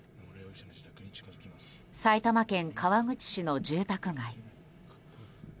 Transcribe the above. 埼玉県川口市の住宅街。